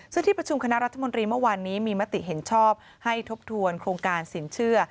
ซึ่งที่ประชุมคณะรัฐมนตรีเมื่อวานนี้มีมติเห็นชอบให้ทบทวนโครงการสินเชื่อ